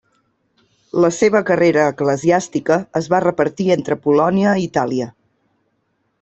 La seva carrera eclesiàstica es va repartir entre Polònia i Itàlia.